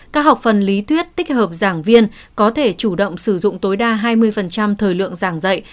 các học phần lý thuyết tích hợp giảng viên có thể chủ động sử dụng tối đa hai mươi thời lượng giảng dạy